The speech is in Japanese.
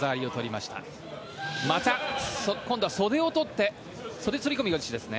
また今度は袖を取って袖釣り込み腰ですね。